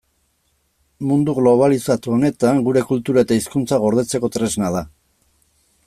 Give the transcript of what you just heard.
Mundu globalizatu honetan gure kultura eta hizkuntza gordetzeko tresna da.